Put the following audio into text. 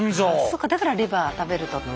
そっかだからレバー食べると鉄分。